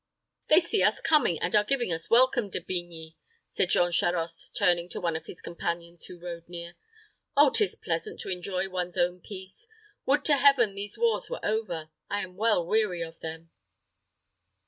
"They see us coming, and are giving us welcome, De Bigny," said Jean Charost, turning to one of his companions who rode near. "Oh, 'tis pleasant to enjoy one's own in peace. Would to Heaven these wars were over! I am well weary of them."